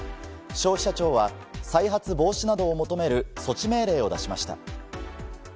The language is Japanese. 消費者庁は再発防止などを求める措置命令を出しました。